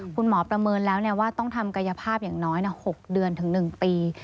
ประเมินแล้วว่าต้องทำกายภาพอย่างน้อย๖เดือนถึง๑ปี